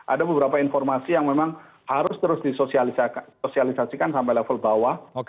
ada beberapa informasi yang memang harus terus disosialisasikan sampai level bawah